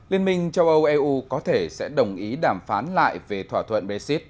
liên minh châu âu eu có thể sẽ đồng ý đàm phán lại về thỏa thuận brexit